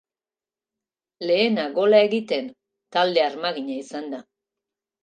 Lehena gola egiten talde armagina izan da.